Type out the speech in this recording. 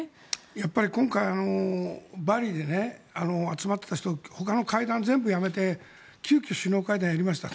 やっぱり今回バリで集まっていた人ほかの会談を全部やめて急きょ、首脳会談をやりました。